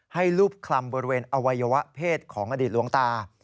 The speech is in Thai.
รูปคลำบริเวณอวัยวะเพศของอดีตหลวงตา